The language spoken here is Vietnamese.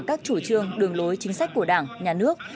các chủ trương đường lối chính sách của đảng nhà nước